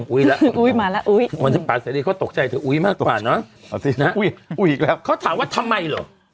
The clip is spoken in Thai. อุ๊ยอุ๊ยมาแล้วอุ๊ยอุ๊ยอีกแล้วเขาถามว่าทำไมหรอ